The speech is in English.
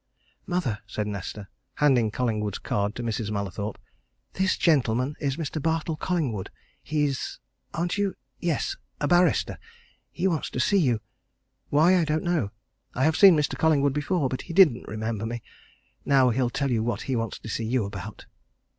"Mother," said Nesta, handing Collingwood's card to Mrs. Mallathorpe, "this gentleman is Mr. Bartle Collingwood. He's aren't you? yes, a barrister. He wants to see you. Why, I don't know. I have seen Mr. Collingwood before but he didn't remember me. Now he'll tell you what he wants to see you about."